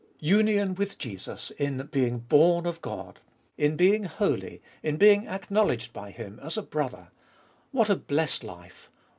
/. Union with Jesus in being born of God, in being holy, in being acknowledged by Him as a brother I What a blessed life